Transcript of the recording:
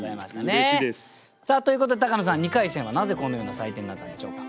うれしいです！ということで高野さん２回戦はなぜこのような採点になったんでしょうか？